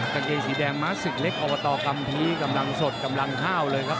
กางเกงสีแดงม้าศึกเล็กอบตกัมภีกำลังสดกำลังห้าวเลยครับ